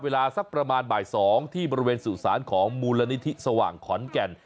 เวลาสักประมาณบ่าย๒ที่บริเวณสู่สารของมูลนิธิสว่างขอนแก่น